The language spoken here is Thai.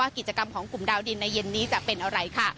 กิจกรรมของกลุ่มดาวดินในเย็นนี้จะเป็นอะไรค่ะ